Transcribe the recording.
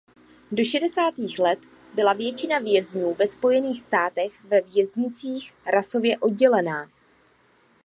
Do šedesátých let byla většina vězňů ve Spojených státech ve věznicích rasově oddělená.